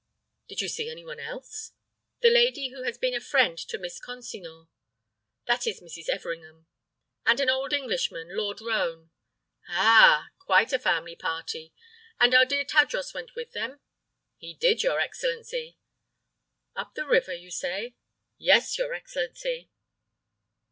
"Did you see anyone else?" "The lady who has been a friend to Miss Consinor." "That is Mrs. Everingham." "And an old Englishman, Lord Roane." "Ah! Quite a family party. And our dear Tadros went with them?" "He did, your excellency." "Up the river, you say?" "Yes, your excellency."